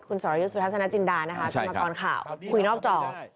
คุณสหรัยุทธาสนาจินดานะคะมาก่อนข่าวคุยนอกจอ